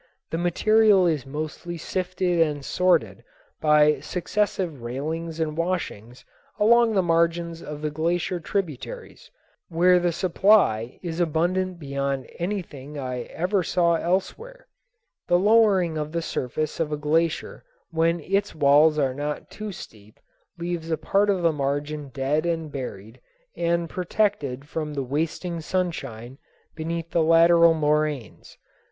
The material is mostly sifted and sorted by successive railings and washings along the margins of the glacier tributaries, where the supply is abundant beyond anything I ever saw elsewhere. The lowering of the surface of a glacier when its walls are not too steep leaves a part of the margin dead and buried and protected from the wasting sunshine beneath the lateral moraines.